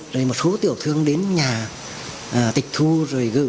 rồi một số tiểu thương đến nhà tịch thu rồi gửi